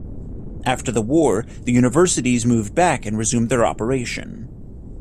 After the war, the universities moved back and resumed their operation.